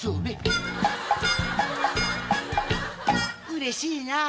うれしいなぁ。